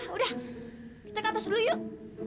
udah kita ke atas dulu yuk